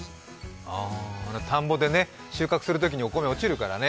ああ、田んぼでね収穫するときにお米落ちるからね。